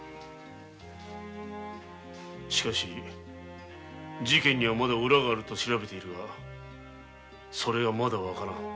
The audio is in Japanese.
しかし事件にはまだ裏があるとみて調べているがそれがまだわからぬ。